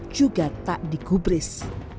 juga tak digubris